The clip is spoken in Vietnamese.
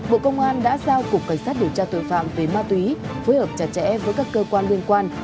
bộ công an đã giao cục cảnh sát điều tra tội phạm về ma túy phối hợp chặt chẽ với các cơ quan liên quan